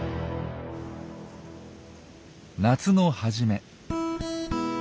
夏の初め。